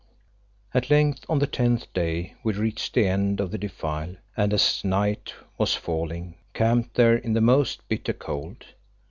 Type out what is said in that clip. At length on the tenth day we reached the end of the defile, and as night was falling, camped there in the most bitter cold.